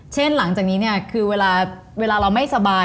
หลังจากนี้เนี่ยคือเวลาเราไม่สบาย